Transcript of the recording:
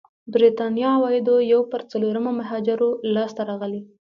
برېتانيا عوايدو یو پر څلورمه مهاجرو لاسته راغلي.